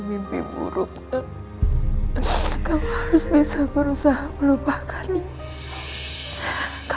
sampai jumpa di video selanjutnya